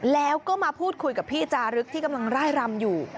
แล้วก็มาพูดคุยกับพี่จารึกที่กำลังไล่รำอยู่